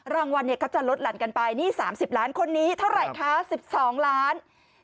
รางวัลเนี่ยเขาจะลดหลั่นกันไปนี่๓๐ล้านคนนี้เท่าไหร่คะ๑๒ล้าน